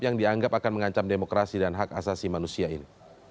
yang dianggap akan mengancam demokrasi dan hak asasi manusia ini